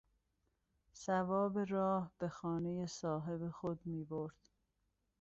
ثواب راه به خانهٔ صاحب خود میبرد.